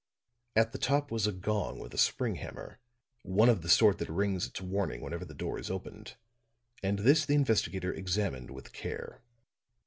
At the top was a gong with a spring hammer, one of the sort that rings its warning whenever the door is opened; and this the investigator examined with care.